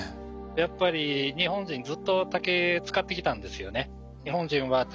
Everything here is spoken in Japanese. やっぱり日本人ずっと竹使ってきたんですよね。